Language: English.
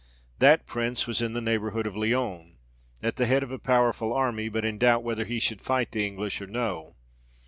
That Prince was in the neighbourhood of Lyons, at the head of a powerful army, but in doubt whether he should fight the English or no.